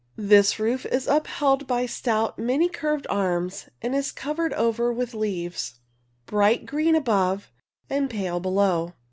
This roof is upheld by stout many curved arms and is covered over with leaves, bright green above and pale below.